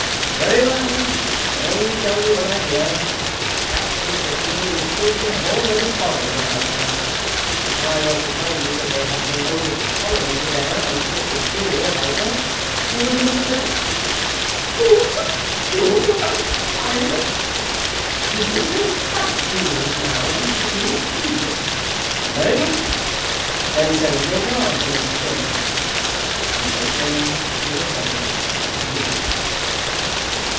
"Very well. I only tell you what I hear. The fact is that he and Chiltern have already quarrelled about her. If I were to tell you that they have been over to Holland together and fought a duel about her, you wouldn't believe that." "Fought a duel about Violet! People don't fight duels now, and I should not believe it." "Very well. Then send your card to Mr. Finn." And, so saying, Lord Baldock left the room.